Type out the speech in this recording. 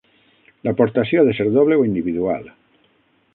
L'aportació ha de ser doble o individual?